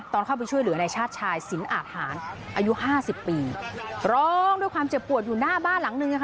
ตอนเข้าไปช่วยเหลือในชาติชายสินอาทหารอายุห้าสิบปีร้องด้วยความเจ็บปวดอยู่หน้าบ้านหลังนึงค่ะ